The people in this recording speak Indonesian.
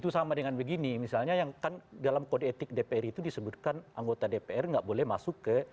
sama dengan begini misalnya yang kan dalam kode etik dpr itu disebutkan anggota dpr nggak boleh masuk ke